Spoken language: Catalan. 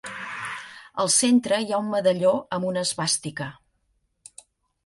Al centre hi ha un medalló amb una esvàstica.